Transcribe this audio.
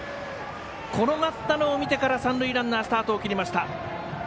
転がったのを見てから三塁ランナースタートを切りました。